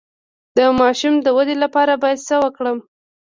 د ماشوم د ودې لپاره باید څه ورکړم؟